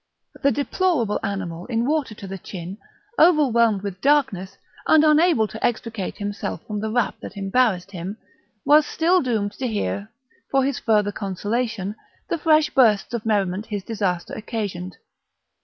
The deplorable animal, in water to the chin, overwhelmed with darkness, and unable to extricate himself from the wrap that embarrassed him, was still doomed to hear for his further consolation the fresh bursts of merriment his disaster occasioned.